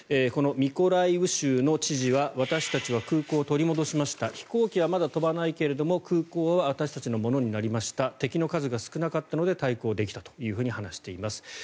このミコライウ州の知事は私たちは空港を取り戻しました飛行機はまだ飛ばないけれども空港は私たちのものになりました敵の数が少なかったので対抗できたと話しています。